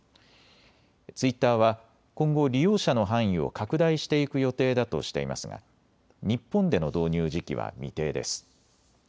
ツイッターは今後、利用者の範囲を拡大していく予定だとしていますが日本での導入時期は未定です。